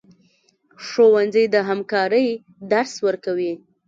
ښوونځی د همکارۍ درس ورکوي